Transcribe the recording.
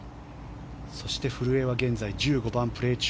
そして、古江は現在１５番をプレー中。